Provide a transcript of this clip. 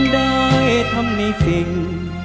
ได้ทำในสิ่ง